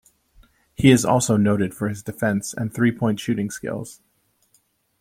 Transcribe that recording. He is also noted for his defense and three point shooting skills.